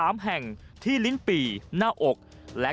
มันกลับมาแล้ว